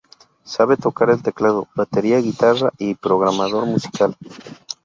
Sabe tocar el teclado, batería, guitarra y es programador musical.